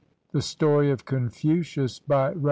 THE STORY OF CONFUCIUS BY REV.